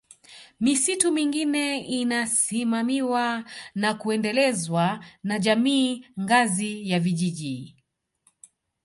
Misitu mingine inasimamiwa na kuendelezwa na Jamii ngazi ya Vijiji